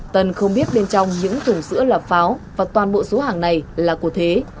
tân không biết bên trong những thùng sữa là pháo và toàn bộ số hàng này là của thế